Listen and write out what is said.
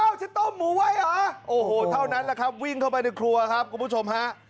จะต้มหมูไว้เหรอโอ้โหเท่านั้นแหละครับวิ่งเข้าไปในครัวครับคุณผู้ชมฮะ